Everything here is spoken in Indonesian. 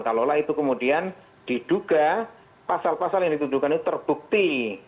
kalau lah itu kemudian diduga pasal pasal yang dituduhkan itu terbukti